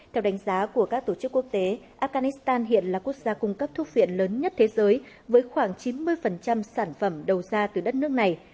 theo đánh giá của các tổ chức quốc tế afghanistan hiện là quốc gia cung cấp thuốc phiện lớn nhất thế giới với khoảng chín mươi sản phẩm đầu ra từ đất nước này